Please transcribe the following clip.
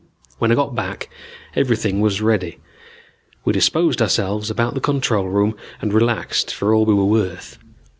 When I got back everything was ready. We disposed ourselves about the control room and relaxed for all we were worth.